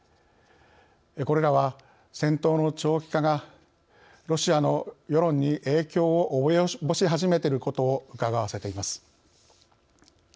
これらは戦闘の長期化がロシアの世論に影響を及ぼし始めていることをうかがわせています。